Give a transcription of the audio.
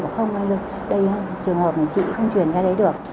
không trường hợp này chị không truyền ra đấy được